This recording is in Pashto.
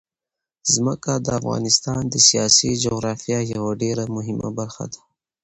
ځمکه د افغانستان د سیاسي جغرافیه یوه ډېره مهمه برخه ده.